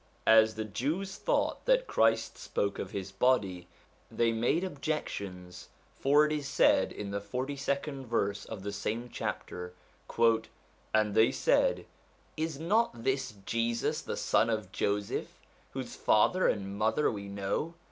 As 112 SOME CHRISTIAN SUBJECTS 113 the Jews thought that Christ spoke of his body, they made objections, for it is said in the 42nd verse of the same chapter :' And they said, Is not this Jesus the son of Joseph, whose father and mother we know